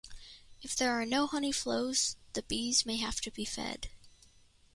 If there are no honey flows the bees may have to be fed.